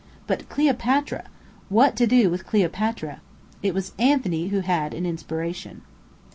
But Cleopatra! What to do with Cleopatra? It was Anthony who had an inspiration.